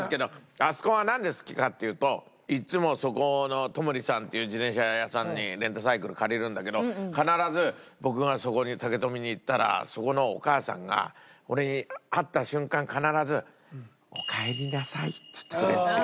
あそこがなんで好きかっていうといつもそこの友利さんっていう自転車屋さんにレンタサイクル借りるんだけど必ず僕が竹富に行ったらそこのお母さんが。って言ってくれるんですよ。